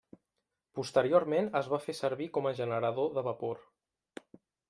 Posteriorment es va fer servir com a generador de vapor.